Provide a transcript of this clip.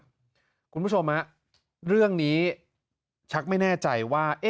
คุณผู้ชมเรื่องนี้ชักไม่แน่ใจว่า